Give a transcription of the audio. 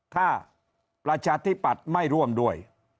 ถ้าประชาธิปัตย์ไม่ร่วมด้วย